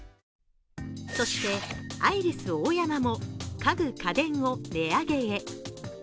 そしてアイリスオーヤマも家具・家電を値上げへ。